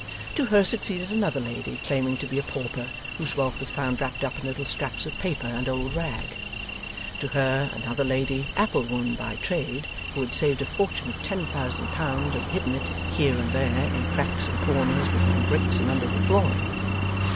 To her succeeded another lady, claiming to be a pauper, whose wealth was found wrapped up in little scraps of paper and old rag. To her, another lady, apple woman by trade, who had saved a fortune of ten thousand pounds and hidden it 'here and there, in cracks and corners, behind bricks and under the flooring.